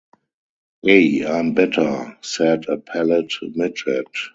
"Ay, I'm better," said a pallid midget.